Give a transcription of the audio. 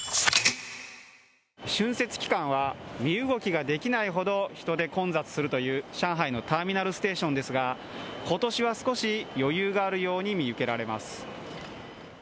春節期間は身動きができないほど人で混雑するという上海のターミナルステーションですが今年は少し余裕があるように見受けられます。